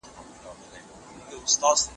هغه وويل چي سينه سپين مهمه ده،